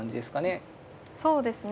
そうですね。